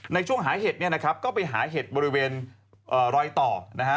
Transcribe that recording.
ในช่วงหาเห็ดเนี่ยนะครับก็ไปหาเห็ดบริเวณรอยต่อนะฮะ